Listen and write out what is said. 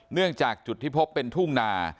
เนื่องจากจุดที่พบเป็นทุ่งนา